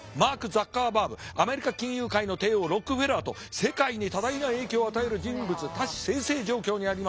アメリカ金融界の帝王ロックフェラーと世界に多大な影響を与える人物多士済々状況にあります。